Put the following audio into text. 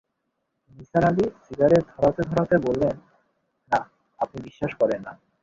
Nisar Ali cigarette ধরাতে-ধরাতে বললেন, না, আপনি বিশ্বাস করেন না।